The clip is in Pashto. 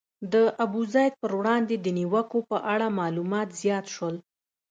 د ابوزید پر وړاندې د نیوکو په اړه معلومات زیات شول.